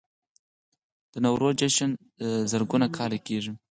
د نوروز جشن زرګونه کاله کیږي